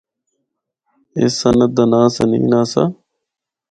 اس سند دا ناں ’سنینن‘ آسا۔